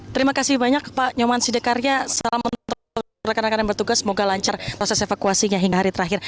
terima kasih banyak pak nyoman sidekarya salam untuk rekan rekan yang bertugas semoga lancar proses evakuasinya hingga hari terakhir